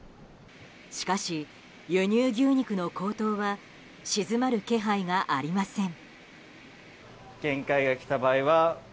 しかし、輸入牛肉の高騰は鎮まる気配がありません。